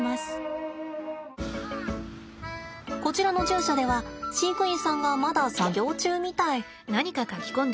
こちらの獣舎では飼育員さんがまだ作業中みたい。